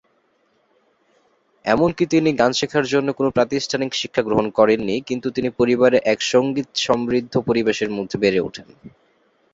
এমনকি তিনি গান শেখার জন্য কোন প্রাতিষ্ঠানিক শিক্ষা গ্রহণ করেননি কিন্তু তিনি পরিবারে এক সঙ্গীত সমৃদ্ধ পরিবেশের মধ্যে বেড়ে উঠেন।